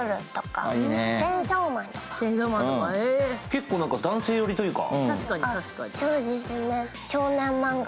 結構男性寄りというか。